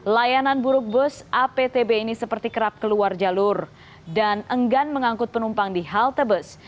layanan buruk bus aptb ini seperti kerap keluar jalur dan enggan mengangkut penumpang di halte bus